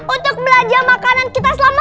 untuk belanja makanan kita selama